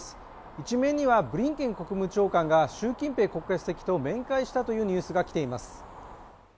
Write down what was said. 一面にはブリンケン国務長官が習近平国家主席と面会したというニュースが来ています。